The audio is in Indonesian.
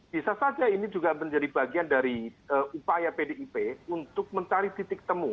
bisa saja ini juga menjadi bagian dari upaya pdip untuk mencari titik temu